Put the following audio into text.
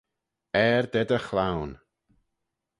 Ayr da dty chloan.